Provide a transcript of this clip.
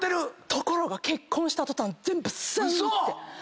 ところが結婚した途端全部すんって抜けちゃって。